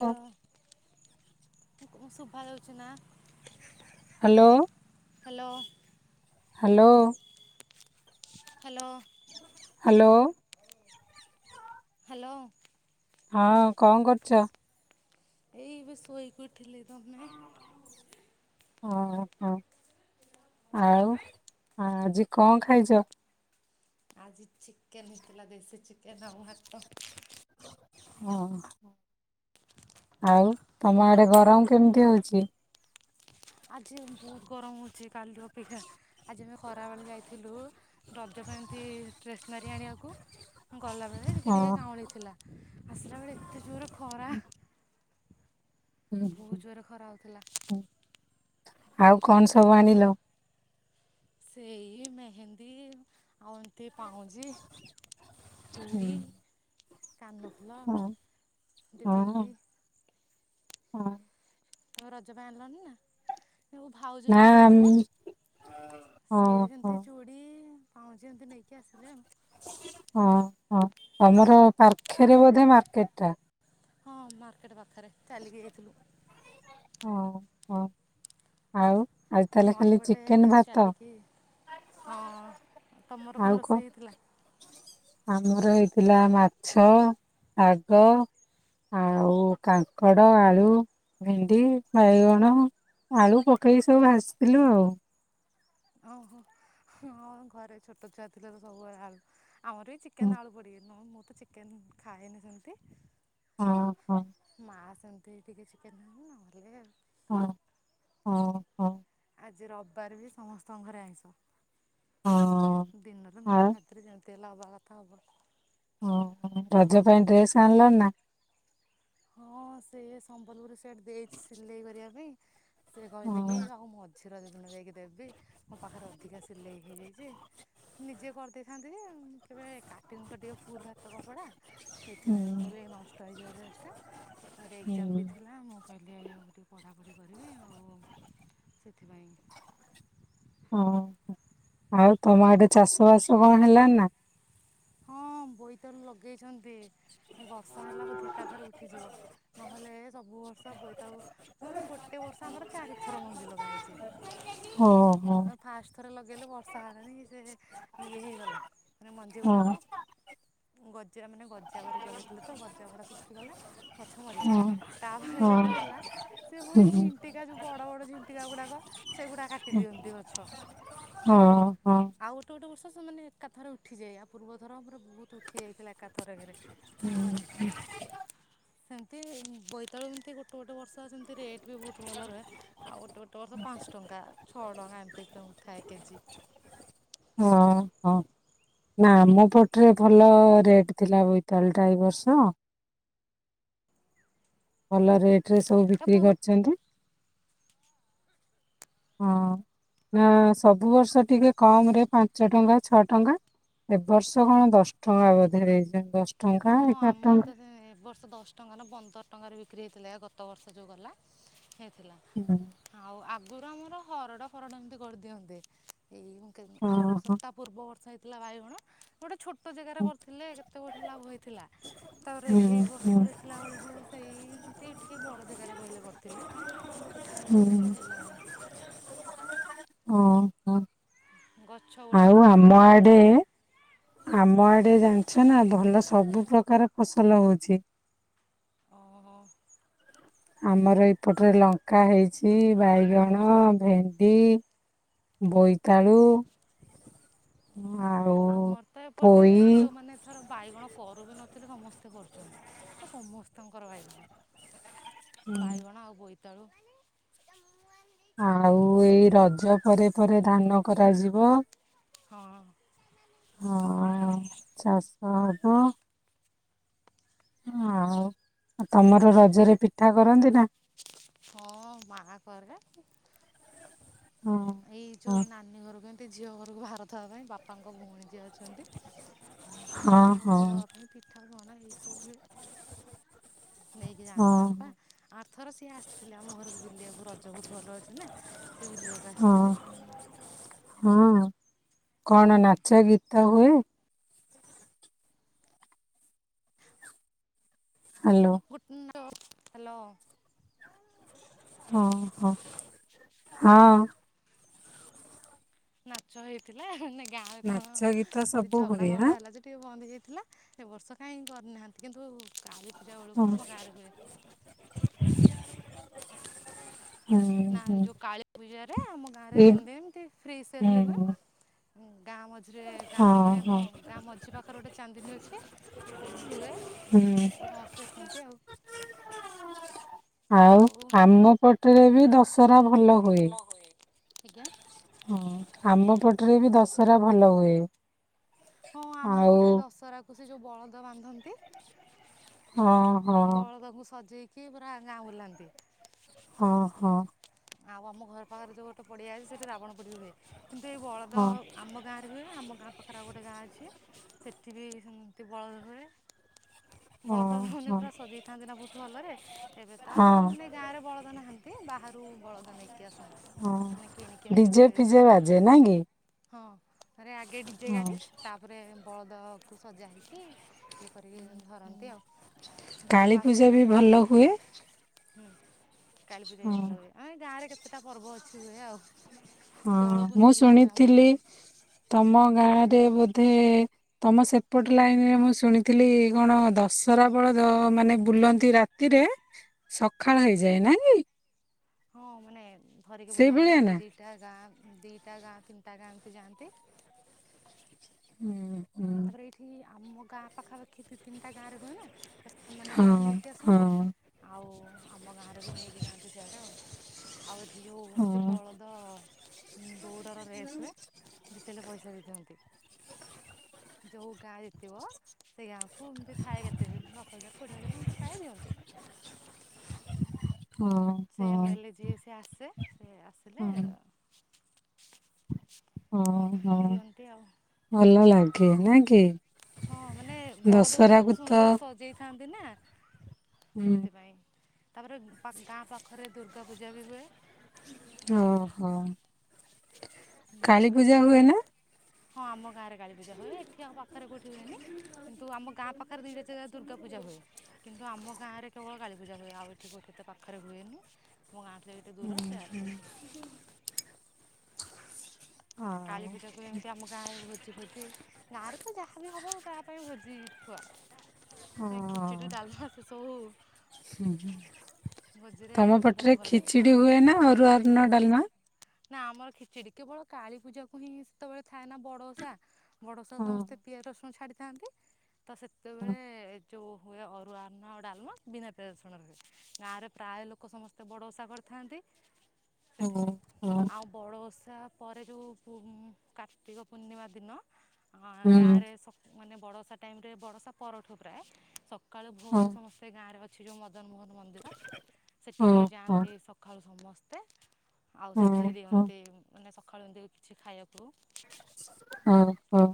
Hello ମୁ କ ସୁବୁ ଭଲ ଅଛୁ ନା। Hello hello. Hello. Hello. Hello. Hello. ହଁ କଣ କରୁଛ? ଏଇ ଏବେ ଶୋଇକି ଉଥିଲିତ ତମେ ଓ ହୋ ଆଉ ଆଜି କଣ ଖାଇଚ? ଆଜି ଚିକେନ ହେଇଥିଲା ଦେସି ଚିକେନ ଆଉ ଭାତ ହୁଁ ଆଉ ତମ ଆଡେ ଗରମ କେମିତି ହଉଛି। ଆଜି ବହୁତ ଗରମ ହେଉଛି କାଲିରୁ ଅପେକ୍ଷା ଆଜି ଆମେ କଖବେଳେ ଯାଇଥିଲୁ ରଜ ପାଇଁ ଏମିତି ଡ୍ରେସନାରୀ ଆଣିବାକୁ ଗଲାବେଳେ ଟିକେ ହଁ ଟିକେ ଗାଉଁଳି ଥିଲା। ଆସିଲବେଳେ ଏତେ ଜୋର ଖରା ହୁଁ, ବହୁତ ଜୋରେ ଖରା ହେଉଥିଲା। ହୁଁ। ଆଉ କଣ ସବୁ ଆଣିଲ? ସେଇ ମେହେନ୍ଦୀ ଆଉ ଏତି ପାଉଁଞ୍ଜି ହୁଁ, ଚୁଡ଼ି କାନଫୁଲ ହଁ ଦି ହଁ ବିନ୍ଦି ହଁ। ଆଉ ରଜ ପାଇଁ ଆଣିଲଣିି ନା ମୋ ଭାଉଜୀ ନା ଜଣ ଯାଇଥିଲେ ଆମେ ସିଏ ହଁ ବି ହଁ ସେମିତି ଚୁଡ଼ି ପାଉଁ ଯେମିତି ନେଇକି ଆସିଲେ ହଁ ହ ଆମର ପାାର୍ଖରେ ବୋଧେ ମାର୍କେଟ ଟା ହଁ ମାର୍କେଟ ବା ପାଖରେ ଚାଲିକିଯାଇଥିଲୁ। ଓ ହୋ ଆଉ। ଆଜି ତାହେଲେ ଖାଲି ନଈପଟେ ଚିକେନ ଭାତ ଚାଲିକି ହଁ। ତମର କଣ ରୋଷେଇ ହେଇଥିଲା। ଆମର ହେଇଥିଲା ମାଛ ଶାଗ ଆଉ କାଙ୍କଡ଼ ଆଳୁ ଭେଣ୍ଡି ବାଇଗଣ ଆଳୁ ପକେଇ ସବୁ ଭାଜିଥିଲୁ ଆଉ। ଓହୋ ଘରେ ଛୋଟ ଛୁଆ ଥିଲେ ସବୁବେଳେ ଆଳ ଆମର ବି ହୁଁ। ଚିକେନ ଆଳୁ ପଡ଼ିକି ତ ଚିକେନ ଖାଏନି ସେମିତି ହଁ ହଁ ମାସ୍ ସେମିତି ଟିକେ ଚିକେନ୍ ହେବି ନହେଲେ ଆଉ। ହଁ ହଁ ହଁ। ଆଜି ରବିବାର ଯେ ସମସ୍ତଙ୍କ ଘରେ ଆଇଁସ। ଦିନ ତ ଆଉ ନହେଲେ ରାତରେ ଯାନ୍ତି। ତେଲା ହବା କଥା ହବ। ଓ ରଜ ପାଇଁ ଡ୍ରେସ୍ ଆଣଲା ନା। ହଁ ସେ ସମ୍ବଲପୁରି ସେଟ ଦେଇଛି ସିଲେଇ କରିବା ପାଇଁ। ସେ କହିଲେ କି ହଁ ଆଉ ମ କ୍ଷୀର ଦ ଦିନ ଯାଇକି ଦେବି ମୋ ପାଖରେ ଅଧିକା ସିଲେଇ ହେଇଯାଇଛି। ନିଜେ କରିଦେଇଥାନ୍ତି ଯେ କେବେ କାଟିନି ତ ଟିକେ ଫୁଲ୍ ହାତ କପଡ଼ା। ହୁଁ ସେଥିପାଇଁ ମୁଁ କହିଲି ନଷ୍ଟ ହେଇଯିବ ଡ୍ରେସ ଟା। ତାପରେ ଏକ୍ସାମ ବି ହୁଁ ଥିଲା ମୁଁ ମୁଁ କହିଲି ଆକୁ ଟିକଏ ପଢ଼ାପଢ଼ି କରିବି ଆଉ ସେଥିପାଇଁ ଓ ଆଉ ତମ ଆଡ଼େ ଚାଷ ବାସ କଣ ହେଲାଣି ନା? ହଁ ବୋଇତଆଳୁ ଲଗ ଲଗେଇଛନ୍ତି ବର୍ଷା ହେଲା ବ ଏକା ଥର ଉଠିଯିବ ନହେଲେ ସବୁ ବର୍ଷ ବୋଇତାଳୁ ଗୋଟେ ବର୍ଷ ଆମର ଚାରିଥର ମଞ୍ଜି ଲଗାହେଇଛି। ଓହୋ। କିନ୍ତୁ ବର୍ଷା ହେଲାଣିି ଯେ ଇଏ ହେଇଗଲା। ମଞ୍ଜି ହଁ ଗୁଡା ଆଉ ଗଜା ମାନେ ଗଜ ଗଜା କରି ଲଗେଇଥିଲେ ତ ଗଜା ଭଡ଼ା ଶୁଖିଗଲା। ମାଛ ହଁ। ମରିଗଲା। ତାପରେ ହଁ ଯେବେ ହେଲା ସେ ହୁଁ ପୁଣି ହୁଁ ଝିଣ୍ଟିକା ଯେଉଁ ବଡ଼ ବଡ଼ ଝିଣ୍ଟିକା। ଝିଣ୍ଟିକା ଗୁଡାକ ସେଗୁଡା କାଟି ଦିଅନ୍ତି ଗଛ। ହଁ ହଁ ଆଉ ଗୋଟେ ଗୋଟେ ବର୍ଷ ସେମାନେ ଏକାଥରେ ଉଠିଯାଇ ପୂର୍ବଥର ପୁରା ବହୁତ ଉଠିଯାଇଥିଲା ଏକାଥରକରେ। ହୁଁ ହୁଁ। ସେମିତି ବୋଇତାଳୁ ଏମିତି ଗୋଟେ ଗୋଟେ ବର୍ଷା ସେମିତି ରେଟ୍ ବି ବହୁତ ଭଲ ରୁହେ। ଆଉ ଗୋଟେ ବର୍ଷ ପାଞ୍ଚ ଟଙ୍କା ଛଅ ଟଙ୍କା ଏମିତି ସବୁ ଥାଏ। କେଜି ହଁ ହଁ ନା ଆମ ପଟରେ ଭଲ ରେଟ ଥିଲା ବୋଇତାଳୁ ଟା ଏଇ ବର୍ଷ। ଭଲ ରେଟ୍ ରେ ସବୁ ତା ବିକ୍ରି ପୂର୍ବ କରିଛନ୍ତି। ହଁ ନା ସବୁ ବର୍ଷ ଟିକେ କମ ରେ ପାଞ୍ଚ ଟଙ୍କା ଛଅ ଟଙ୍କା ଏ ବର୍ଷ କଣ ଦଶ ଟଙ୍କା ବୋଧେ ହେଇଚି। ଦଶ ହଁ ଟଙ୍କା ଏଗାର ଆମର ତ ଟଙ୍କା। ଏ ବର୍ଷ ଦଶ ଟଙ୍କା ନା ପନ୍ଦର ଟଙ୍କାରେ ବିକ୍ରି ହେଇଥିଲା ଗତ ବର୍ଷ ଯୋଉ ଗଲା। ଥିଲା ହୁଁ। ଆଉ ଆ ଆଗୁରୁ ଆମର ହରଡ ଫରଡ ଏମତି କରିଦିଅନ୍ତି। ଏଇ ମୁଁ କି ଆର ବର୍ଷ ଓହୋ ତା ପୂର୍ବ ବର୍ଷ ହେ ଥିଲା ବାଇଗଣ ଗୋଟେ ଛୋଟ ଜାଗାରେ ହୁଁ କରିଥିଲେ କେତେ ବଢିଆ ଲାଭ ହେଇ ଉ ଥିଲା ତାପରେ ଏଇ ବର୍ଷ ହୁଁ ଦେଖିଲା ବେଳକୁ ସେଇ ଏମିତି ଟିକେ ବଡ଼ ଜାଗାରେ କହିଲେ କରିଥିଲେ। କିନ୍ତୁ ଦେଖିଲା ବେଳକୁ ଏ ହୁଁ ବର୍ଷ ହେଲାନି। ଓ ହୋ। ଗଛ ଗୁଡ଼ାକ ଆଉ ଏମିତି ଆମ କଣ ଆଡେ ଆମ ଆଡେ ଜାଣି ଅଛ ନା ଭଲ ସବୁ ପ୍ରକାର ଫସଲ ହଉଛି। ଓ ହୋ। ଆମର ଏପଟରେ ଲଙ୍କା ହେଇଛି ବାଇଗଣ ଭେଣ୍ଡି ବୋଇତାଳୁ ଆଉ ଆମର ତ ଏପଟେ ପୋଇ ଯୋଉମାନେ ଏ ଥର ବାଇଗଣ କରୁ ବି ନଥିଲେ ସମସ୍ତେ କରୁଛନ୍ତି ଆ ସମସ୍ତଙ୍କର ବାଇଗଣ ବାଇଗଣ ଆଉ ବୋଇ ଆଉ ଆଉ ଏଇ ରଜ ପରେ ପରେ ଧାନ କରାଯିବ। ହଁ। ହ ଚାଷଦ ଆଉ ତମର ରଜରେ ପିଠା କରନ୍ତି ନା। ହଁ ମା କରେ। ହଁ ଏଇ ହଁ ଯୋଉ ନାନୀ ଘର କେ ଝିଅ ଘରକୁ ଭାର ଦବା ପାଇଁ ବାପାଙ୍କ ଭଉଣୀ ଯିଏ ଅଛି। ଛନ୍ତି ତାଙ୍କ ହଁ ଘରକୁ ନବା ପାଇଁ ପିଠା ପଣା ଏଇସବୁ ହୁଏ। ନେଇକି ହଁ ଯାଆନ୍ତି ବାପା ଆର ଥର ସିଏ ଆସିଥିଲେ ଆମ ଘରକୁ ବୁଲିବାକୁ ରଜ କୁ ଭଲ ଅଛ ନା ସେ ବୁଲିବାକୁ ଆସିଥିଲେ ହଁ ହଁ। କଣ ହୁଁ। ନାଚ ଗୀତ ହୁଏ। ହ୍ୟାଲୋ। ଗୁଟ ହ୍ୟାଲୋ। ହଁ ହୋ ହଁ। ନାଚ ହେଇଥିଲା ନା କି? ଗାଁ ରେ କଣ ନାଚ ଗୀତ ସବୁ ଝଗଡା ହୁଏ ଫଗଡା ଆଁ ହେଲା ଯେ ଟିକେ ବନ୍ଦ ହେଇ ଥିଲା ଏ ବର୍ଷ କାହିଁକ କରିନାହାନ୍ତି କିନ୍ତୁ କାଳୀ ପୂଜା ବେଳକୁ ହଁ ଆମ ଗାଁରେ ହୁଏ [unintelligible] ହୁଁ ନା ହୁଁ। ଯୋଉ କାଳୀ ପୂଜାରେ ଆମ ଗାଁ ରେ ଏଇ ତିନ ଦିନ ଏମିତି ଫ୍ରୀ ସେଲ୍ ରେ ବି ହୁଁ ହୁଏ। ଗାଁ ମଝିରେ ଗାଁ ହଁ ମାନେ ହଁ ଆମ ଗାଁ ମଝି ପାଖରେ ଗୋଟେ ଚାନ୍ଦିନୀ ଅଛି ସେଇଠି ହୁଏ ହୁଁ। ଯାଇକି ସମସ୍ତେ ଦେଖନ୍ତି ଆଉ। ଆଉ ଆମ ପଟରେ ବି ଦଶ [unintelligible] ଭଲ ହୁଏ ଆଜ୍ଞା। ହଁ ଆମ ପଟରେ ବି ଦଶହରା ଭଲ ହୁଏ। ହଁ ଆମ ଆଉ ପଟେ ଦଶହରା କୁ ସେ ଯୋଉ ବଳଦ ବାନ୍ଧନ୍ତି ହଁ ହଁ କି ପୁରା ଗାଁ ବୁଲାନ୍ତି ହଁ ହଁ ଆଉ ଆମ ଘର ପାଖରେ ଯୋଉ ଗୋଟେ ପଡିଆ ଅଛି ସେଠି ରାବଣ ପୋଡ଼ି ହୁଏ। କିନ୍ତୁ ଏଇ ବଳଦ ହଁ ଆମ ଗାଁରେ ହୁଏ ଆମ ଗାଁ ପାଖରେ ଗୋଟେ ଗାଁ ଅଛି ସେଠି ବି ସେମିତି ବଳଦ ହୁଏ ବଳଦ ମାନେ ହଁ ପୁରା ସଜେଇଥାନ୍ତି ନା ବହୁତ ଭଲରେ ଏବେ ତ ଆଉ ହଁ ମାନେ ଗାଁ ରେ ବଳଦ ନାହାନ୍ତି। ତି ବାହା ରୁ ବଳଦ ନେଇ କି ହଁ ଆସନ୍ତି ନା କିଣି କେମିତି ଡିଜେ ଫିଜେ କେମତି ବାଜେ ନା କି? ହଁ ଆରେ ଆଗେ ଡିଜେ ହଁ। ଗାଡ଼ି ତାପରେ ବଳଦକୁ ସଜା ହେଇକି ଇଏ କରିକି ଧରନ୍ତି ଆଉ। ବାପା କାଳୀପୂଜା ବି ସାନବାପା ଭଲ ହୁଏ। ହୁଁ କାଳୀ ପୂଜା ବି ହଁ ଭଲ ହୁଏ। ଗାଁ ରେ କେତେଟା ପର୍ବ ଅଛି ହୁଏ ଆଉ। ହଁ ଦୋଳ ମୁଁ ପୁନେଇ ବି ହୁଏ ଆମ ଶୁଣିଥିଲି ଗାଁରେ ତମ ଗାଁ ରେ ବୋ ଧେ ତମ ସେପଟ ଲାଇନରେ ମୁଁ ଶୁଣିଥିଲି କଣ ଦଶରା ବଳଦ ମାନେ ବୁଲନ୍ତି ରାତିରେ ସକାଳ ହେଇଯାଏ ନା କି? ହଁ ମାନେ ଧରିକି ବୁଲାନ୍ତି ନା ଦି ଦି ଟା ଗାଁ ଦିଟା ଗାଁ ତିନିଟା ଗାଁ ଏମିତି ଯାଆନ୍ତି ହୁଁ ହୁଁ। ତାପରେ ଏଇଠି ଆମ ଗାଁ ପାଖାପାଖି ଦି ତିନିଟା ଗାଁରେ ହୁଏ ନା ସେମାନେ ହଁ ବି ଇଆଡେ ନେଇକି ହଁ ଆସନ୍ତି ଆଉ ଆମ ଗାଁରେ ବି ନେଇକି ଯାନ୍ତି ସିଆଡ଼େ ଆଉ ଆଉ ଏଠି ଯୋଉ ହଁ ଏମିତି ବଳଦ ହୁଁ। ଦୌଡ଼ର ରେସ୍ ହୁଏ ଜିତିଲେ ପଇସା ବି ନ୍ତି [unintelligible] ଯେଉ ଗାଁ ଜିତିବ ସେ ଗାଁକୁ ଏମିତି ଥାଏ କେତେ ଦଶ ହଜାର କୋଡ଼ିଏ ହଜାର ଏମିତି ଥାଏ ଦିଅନ୍ତି। ହଁ ସେ ହଁ। ଏମେ୍ଲେ ଯିଏ ସିଏ ଆସେ ସେ ଆସିଲେ ହଁ ହଁ ହଁ ଦିଅନ୍ତି ଆଉ। ଭଲ ଲାଗେ ନାଇ କେ ହଁ ମାନେ ବଳଦଗୁଡା କେତେ ତ ସୁନ୍ଦର ସଜେଇଥାନ୍ତି। ବିିନା ହୁଁ ସେଥି ପାଇଁ ତାପରେ ଗାଁ ପାଖରେ ଦୁର୍ଗା ପୂଜା ବି ହୁଏ। ଓହୋ କାଳୀ ପୂଜା ହୁଏ ନା? ହଁ ଆମ ଗାଁରେ କାୀପୂଜା ହୁଏ। ଏଠି ଆଉ ପାଖରେ କୋଉଠି ହୁଏନି। କିନ୍ତୁ ଆମ ଗାଁ ପାଖ ବା ନିଇଟ ଜାଗାରେ [unintelligible] ଦୁଗା ପୂଜା ହଏ। କିନ୍ତୁ ଆମ ଗାଁରେ କେବଳ କାଳିପୂଜା ହୁଏ। ଆଉ ଏଠି ଏଠି ତ ପାଖରେ ହୁଏନି। ଆମ ଗାଁ ଠୁ କେତେ ଦୂର ସେ ଆଡ କାଳୀ ଆଉ ପୂଜାକୁ ଏମିତି ଆମ ଗାଁ ରେ ଭୋଜି ଫୋଜି ଗାଁ ରେ ତ ଯାହା ବି ହବ ତା ପାଇଁ ଭୋଜିଥୁଆ। ହଁ ଅ ଭୋଜିରେ ତମ ବହୁତ ପଟରେ ଭଲ ଲାଗେ ଖିଚୁଡି ହୁଏନା ଅରୁୁଆ ଅର୍ଣ୍ଣ ଡାଲମା। ନା ଆମର ଖିଚୁଡି କେବଳ କାଳୀ ପୂଜା କ ହିଁ ସେତେବେଳେ ଥାଏ ନା ବଡଓଷା ବଡ଼ଶ ହଁ ସମସ୍ତେ ପିଆ ରସୁ ଛାଡ଼ି କାକୁ। ତ ସେତେବେଳେ ଚଉ ହୁଏ ଅରୁଆ ଅରୁଆ ଅନ୍ନ ଡାଲମା ବିନା ପିଆଜରସୁଣ ରେ ହୁଏ। ଗାଁରେ ପ୍ରାୟ ଲୋକ ସମସ୍ତେ ବଡ଼ ଓଷା କରିଥାନ୍ତି। ସେଥିପାଇଁ ହୁଁ। ଆଉ ବଡ ଦଷା ପରେ ଯେଉଁ କାର୍ତ୍ତିକ ପୂର୍ଣ୍ଣିମା ଦିନ। ହଁ ଗାଁ ରେ ସ୍ ମାନେ ବଡ଼ଷା ଟାଇମ୍ରେ ବଡ଼ଷା ପରଠୁ ପ୍ରାୟ ସକାଳୁ ହଁ ଭୋରୁ ସମସ୍ତେ ଗାଁରେ ସେଛ ମା [unintelligible] ମଦନମୋହନ ମନ୍ଦିର ସେଠିକି ହଁ ଯାଆନ୍ତି ସକାଳୁ ସମସ୍ତେ। ସ୍ତେ ଆଉ ସେଠି ହଁ ହଁ ହଁ ଦିଅନ୍ତି ମାନେ ସ ଖେଳନ୍ତି କିଛି ଖାଇବାକୁ। ହଁ ହଁ।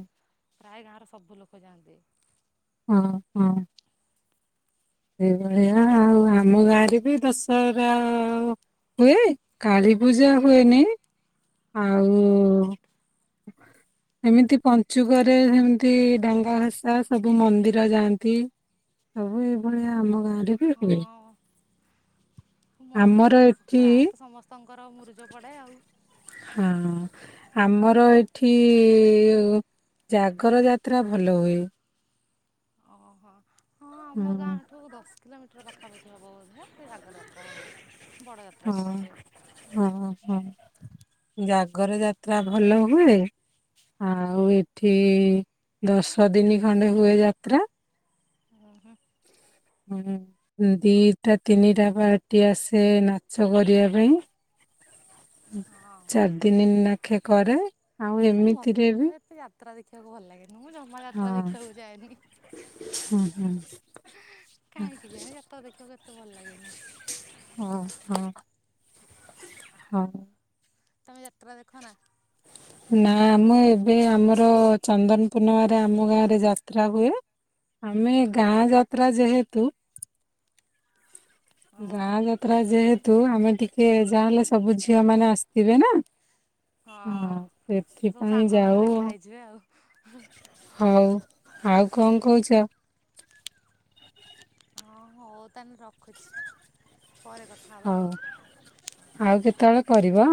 ପ୍ରାୟ ଗାଁର ସବୁ ଲୋକ ଯାଆନ୍ତି। ହଁ ହଁ। ସେଇଭଳିଆ ଆଉ ଆମ ଗାଁରେ ବି ଦଶହରା ହୁଏ, କାଳୀ ପୂଜା ହୁଏନି। ଆଉ ଏମିତି ପଞ୍ଚୁକରେ ସେମିତି ଡଙ୍ଗା ଭସା, ସବୁ ମନ୍ଦିର ଯାଆନ୍ତି, ସବୁ ଏଇଭଳିଆ ଆମ ଗାଁ। ହୁଏ ହଁ ଆମର ଏଠି କର ମୁରୁଜ ପଡେ ଆଉ। ହଁ ଆମର ଏଠି ଜାଗର ଯାତ୍ରା ଭଲ ହୁଏ। ଓହୋ। ହଁ ହୁଁ। ଆମ ଗାଁ ଠୁ ଦଶ କିଲୋମିଟର ପାଖାପାଖି ହବ ବୋଧେ। ଜାଗର ଯାତ୍ରା ଭଲ ହୁଏ। ବଡ଼ ଯାତ୍ରା ଟିକେ ହଁ ହୁଏ ହଁ ହଁ। ଜାଗର ଯାତ୍ରା ଭଲ ହୁଏ। ଆଉ ଏଠି ଦଶ ଦିନ ଖଣ୍ଡେ ହୁଏ ଯାତ୍ରା। ଓ ହୋ। ହଁ ଦିଟା ତିନିଟା ପାର୍ଟି ଆସେ ନାଚ କରିବା ପାଇଁ। ଚାରି ଦିନ ନାଖେ କରେ। ଆଉ ଏମିତିରେ ବି ମତେ ଏତେ ଯାତ୍ରା ଦେଖିବାକୁ ଭଲ ଲାଗେନି ମୁଁ ଜମା ହଁ ଯାତ୍ରା ଦେଖିବାକୁ ଯାଏନି ହୁଁ ହୁଁ କାହିଁକି କେଜାଣି ଯାତ୍ରା ଦେଖିବାକୁ ଏତେ ଭଲ ଲାଗେନି। ଓ ହଁ। ହଁ। ତମେ ଯାତ୍ରା ଦେଖ ନା? ନା ଆମ ଏବେ ଆମର ଚନ୍ଦନ ପୂର୍ଣ୍ଣିମରେ ଆମ ଗାଁ ରେ ଯାତ୍ରା ହୁଏ ଆମେ ଗାଁ ଯାତ୍ରା ଯେହେତୁ ଗାଁ ଓହୋ ଯାତ୍ରା ଯେହେ ତୁ ଆମେ ଟିକେ ଯାହାହେଲେ ସବୁ ଝିଅ ମାନେ ଆସିଥିବେ ନା। ହଁ। ସବୁ ସେଥିପାଇଁ ସାଙ୍ଗ ମାନେ ଯାଉ ଦେଖା ହେଇଯିବେ ଆଉ। ହଉ ଆଉ କଣ କହୁଛ? ହଁ ହଁ ହଉ ତାହେଲେ ରଖୁଛି ପରେ କ ହଉ ଆଉ କେତେବେଳେ କରିବ।